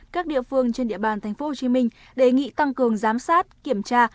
các địa phương trên địa bàn tp hcm đề nghị tăng cường giám sát kiểm tra